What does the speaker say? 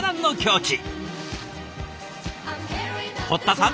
堀田さん